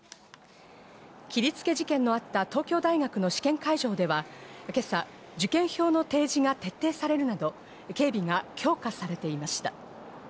切りつけ事件のあった東京大学の試験会場では、今朝、受験票の提示が徹底されるなど、警備が強化されていました。